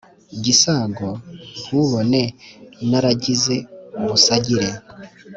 gisago ntubone naragize ubusagire,